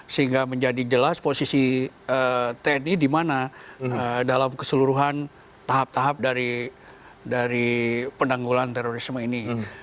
sehingga menjadi jelas posisi tni di mana dalam keseluruhan tahap tahap dari penanggulan terorisme ini